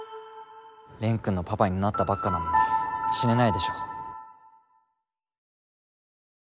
蓮くんのパパになったばっかなのに死ねないでしょ。